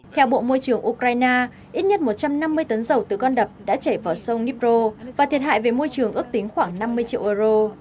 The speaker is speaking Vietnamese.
theo bộ môi trường ukraine ít nhất một trăm năm mươi tấn dầu từ con đập đã chảy vào sông nippro và thiệt hại về môi trường ước tính khoảng năm mươi triệu euro